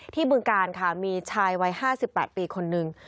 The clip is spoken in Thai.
บึงการค่ะมีชายวัย๕๘ปีคนนึง